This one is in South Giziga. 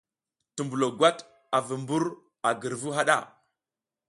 Tumbulo gwat a vu mbur a girvu haɗa.